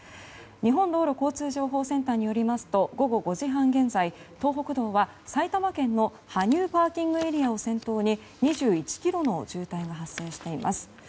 日本道路交通情報センターによりますと午後５時半現在、東北道は埼玉県の羽生ＰＡを先頭に２１ｋｍの渋滞が発生しています。